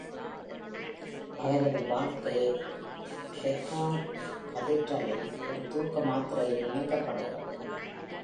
அவரது வாழ்க்கை ப்ரெகோன் கதீட்ரலில் ஒரு தூக்க மாத்திரையில் நினைக்கப்படுகிறது.